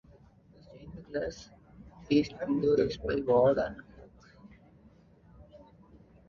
The stained glass east window is by Ward and Hughes.